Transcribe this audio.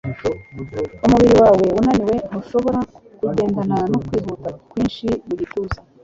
Umubiri wawe unaniwe ntushobora kugendana no kwihuta kwinshi mu gituza